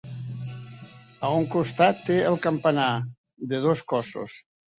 A un costat té el campanar, de dos cossos.